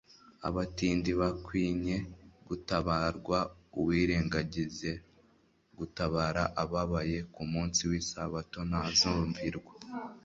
abatindi bakwinye gutabarwa. Uwirengagiza gutabara ababaye ku munsi w'isabato, ntazumvirwa.